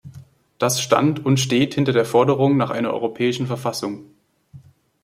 Das stand und steht hinter der Forderung nach einer europäischen Verfassung.